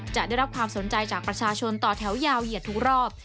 จะได้รับความสนใจจากประชาชนต่อแถวยาวเหยียดทุกรอบ